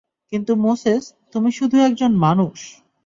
কিন্তু মোসেস, তুমি শুধু একজন মানুষ।